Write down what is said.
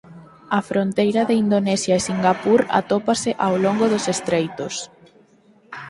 A fronteira de Indonesia e Singapur atópase ao longo dos estreitos.